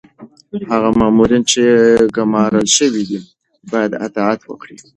هغه مامورین چي ګمارل شوي دي باید اطاعت وکړي.